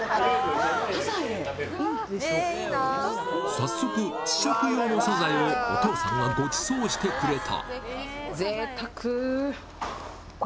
早速、試食用のサザエをお父さんがごちそうしてくれた。